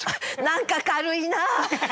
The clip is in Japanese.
何か軽いな。